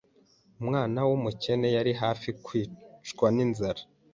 Umwana wumukene yari hafi kwicwa ninzara.